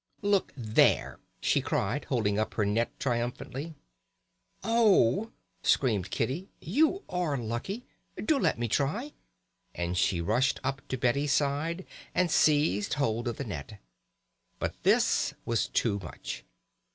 "Look there!" she cried, holding up her net triumphantly. "Oh!" screamed Kitty, "you are lucky. Do let me try," and she rushed up to Betty's side and seized hold of the net. But this was too much.